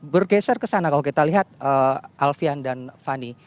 bergeser ke sana kalau kita lihat alfian dan fani